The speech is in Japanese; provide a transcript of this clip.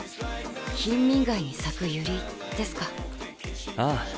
貧民街に咲く百合ですかああ。